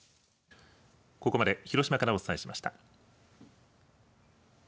ここまで広島からお伝えしました。